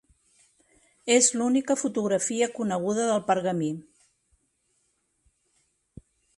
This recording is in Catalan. És l'única fotografia coneguda del pergamí.